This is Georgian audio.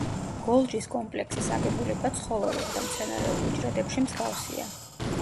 გოლჯის კომპლექსის აგებულება ცხოველურ და მცენარეულ უჯრედებში მსგავსია.